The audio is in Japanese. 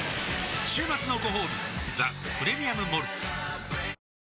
週末のごほうび「ザ・プレミアム・モルツ」